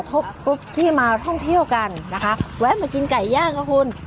ทุกกรุ๊ปที่มาท่องเที่ยวกันนะคะแวะมากินไก่ย่างค่ะคุณ